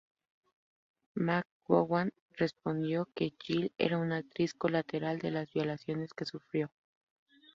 McGowan respondió que Jill era una actriz colateral de las violaciones que sufrió.